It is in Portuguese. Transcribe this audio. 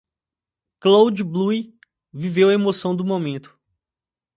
Cloud-Blue viveu a emoção do momento.